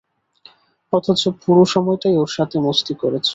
অথচ পুরো সময়টাই ওর সাথে মস্তি করেছ।